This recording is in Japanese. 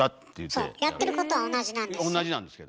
そうやってることは同じなんですよ。